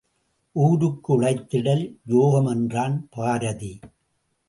ஊருக்கு உழைத்திடல் யோகம் என்றான் பாரதி.